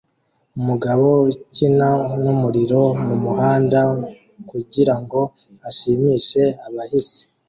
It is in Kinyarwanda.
Umugabo ukina numuriro mumuhanda kugirango ashimishe abahisi